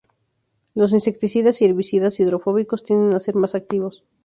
Los insecticidas y herbicidas hidrofóbicos tienden a ser más activos.